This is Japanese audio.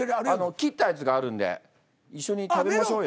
切ったやつがあるんで一緒に食べましょうよ。